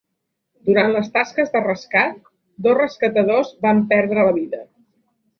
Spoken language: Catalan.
Durant les tasques de rescat, dos rescatadors van perdre la vida.